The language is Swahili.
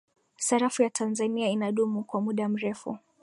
sarafu ya tanzania inadumu kwa muda mrefu